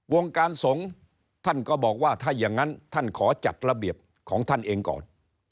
วงการสงฆ์ท่านก็บอกว่าถ้าอย่างนั้นท่านขอจัดระเบียบของท่านเองก่อน